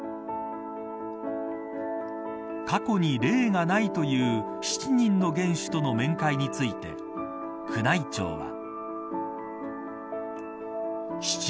過去に例がないという７人の元首との面会について宮内庁は。